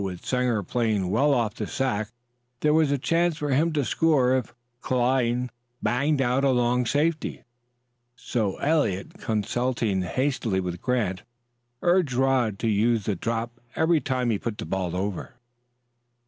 With Sanger playing well off the sack, there was a chance for him to score if Cline banged out a long safety, so Eliot, consulting hastily with Grant, urged Rod to use the drop every time he put the ball over.